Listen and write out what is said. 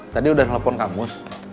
tadi udah telepon kamus